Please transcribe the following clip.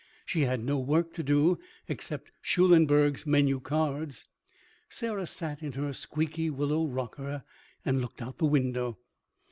She had no work to do except Schulenberg's menu cards. Sarah sat in her squeaky willow rocker, and looked out the window.